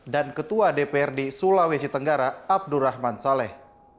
dan ketua dprd sulawesi tenggara abdurrahman saleh